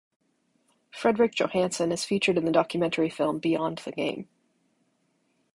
Fredrik Johansson is featured in the documentary film "Beyond the Game".